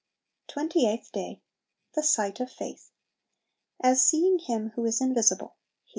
Twenty eighth Day. The Sight of Faith. "As seeing Him who is invisible." Heb.